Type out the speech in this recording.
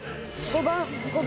「５番。